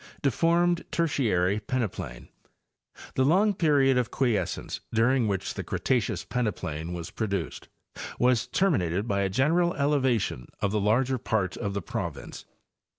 DEFORMED TERTIARY PENEPLAIN. The long period of quiescence, during which the Cretaceous peneplain was produced, was terminated by a general elevation of the larger part of the province.